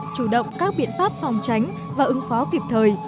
chủ động các biện pháp phòng tránh và ứng phó kịp thời